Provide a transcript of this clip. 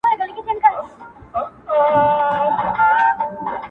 هم به د دوست، هم د رقیب له لاسه زهر چښو،